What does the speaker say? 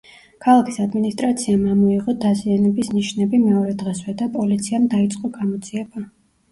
ქალაქის ადმინისტრაციამ ამოიღო დაზიანების ნიშნები მეორე დღესვე და პოლიციამ დაიწყო გამოძიება.